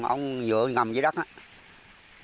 ông dựa ngầm dưới đất đó